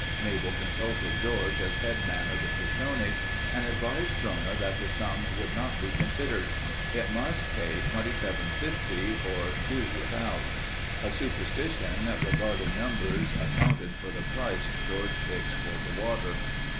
Mabel consulted George as head man of the Shoshones and advised Trona that the sum would not be considered. It must pay $27.50 or do without. A superstition regarding numbers accounted for the price George fixed for the water.